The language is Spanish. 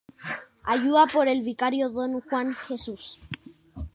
Ayudado por el vicario Don Juan Jesús.